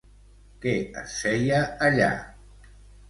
Què es feia allà?